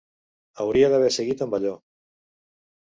Hauria d'haver seguit amb allò.